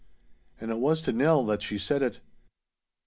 And it was to Nell that she said it.